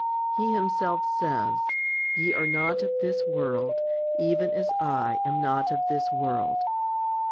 He Himself says, Ye are not of this world, even as I am not of this world.